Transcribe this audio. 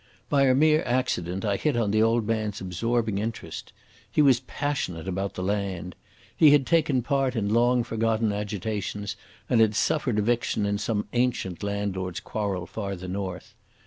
By a mere accident I hit on the old man's absorbing interest. He was passionate about the land. He had taken part in long forgotten agitations, and had suffered eviction in some ancient landlords' quarrel farther north.